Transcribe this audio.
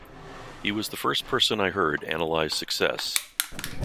He was the first person I heard analyse success.